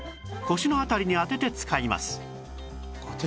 腰の辺りに当てて使います